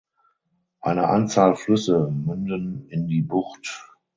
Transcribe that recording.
Eine Anzahl Flüsse münden in die Bucht.